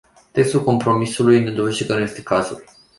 Textul compromisului ne dovedește că nu este cazul.